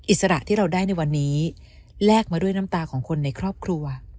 อิสระที่เราได้ในวันนี้แลกมาด้วยน้ำตาของคนในครอบครัว